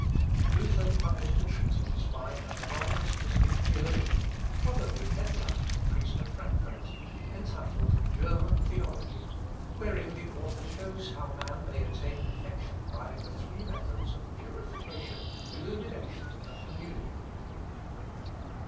In 1516, Luther published a treatise by an anonymous mystic theologian, (probably Ebland, priest at Frankfort,) entitled German Theology, wherein the author shows how man may attain perfection by the three methods of purification, illumination, and communion.